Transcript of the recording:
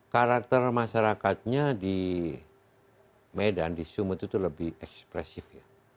karakter masyarakatnya di medan di sumut itu lebih ekspresif ya